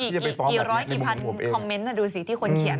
กี่ร้อยกี่พันคอมเมนต์ดูสิที่คนเขียน